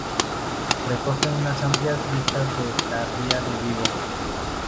Recoge unas amplias vistas de la Ría de Vigo.